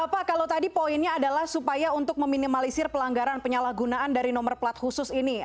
pak kalau tadi poinnya adalah supaya untuk meminimalisir pelanggaran penyalahgunaan dari nomor plat khusus ini